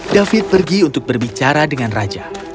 david pergi untuk berbicara dengan raja